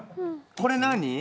これ何？